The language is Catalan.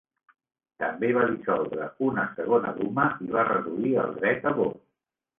També va dissoldre una segona Duma i va reduir el dret a vot.